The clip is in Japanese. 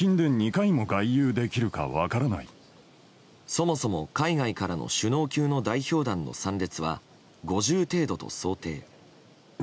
そもそも海外からの首脳級の代表団の参列は５０程度と想定。